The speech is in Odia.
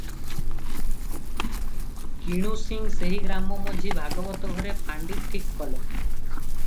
କିଣୁ ସିଂ ସେହି ଗ୍ରାମ ମଝି ଭାଗବତ ଘରେ ଫାଣ୍ଡି ଠିକ କଲେ ।